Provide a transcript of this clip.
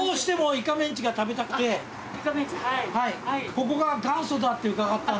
ここが元祖だって伺ったんで。